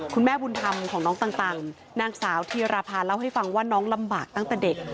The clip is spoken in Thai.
คุณแม่บุญธรรมของน้องต่างนางสาวธีรภาเล่าให้ฟังว่าน้องลำบากตั้งแต่เด็ก